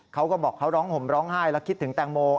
เขาก็บอกเขาร้องห่มร้องไห้แล้วคิดถึงแตงโม